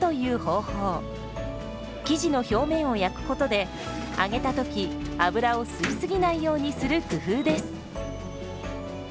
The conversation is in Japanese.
生地の表面を焼くことで揚げた時油を吸い過ぎないようにする工夫です。